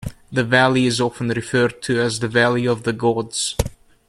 The valley is often referred to as the 'Valley of the Gods'.